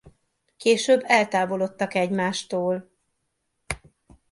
Később eltávolodtak egymástól.